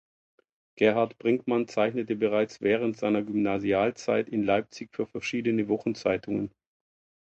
Gerhard Brinkmann zeichnete bereits während seiner Gymnasialzeit in Leipzig für verschiedene Wochenzeitungen.